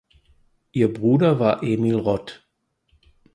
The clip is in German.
Ihr Bruder war Emil Rott.